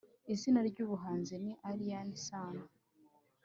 Izina ry'ubuhanzi ni Alyn Sano.